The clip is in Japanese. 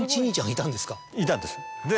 いたんです。